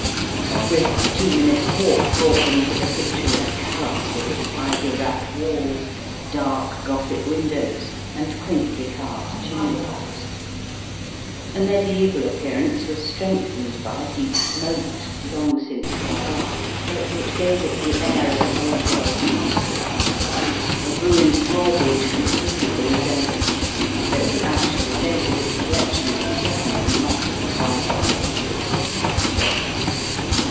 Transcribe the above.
A brisk two minutes' walk brought them to the picturesque house with its ivy wrapped walls, dark Gothic windows, and quaintly carved chimney pots. A medieval appearance was strengthened by a deep moat, long since dried up, but which gave it the air of an old world castle. A ruined drawbridge completed the resemblance, though the actual date of its erec tion was certainly not in the bygone ages.